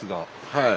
はい。